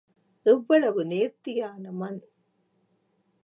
எவ்வளவு நேர்த்தியான மண்?